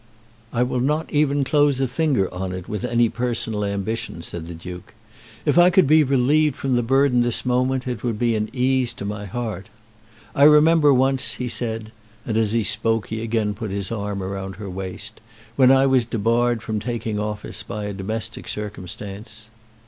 "I will not even close a finger on it with any personal ambition," said the Duke. "If I could be relieved from the burden this moment it would be an ease to my heart. I remember once," he said, and as he spoke he again put his arm around her waist, "when I was debarred from taking office by a domestic circumstance."